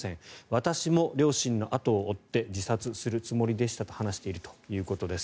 私も両親の後を追って自殺するつもりでしたと話しているということです。